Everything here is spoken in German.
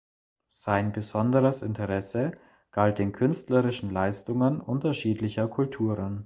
Sein besonderes Interesse galt den künstlerischen Leistungen unterschiedlicher Kulturen.